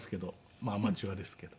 まあアマチュアですけど。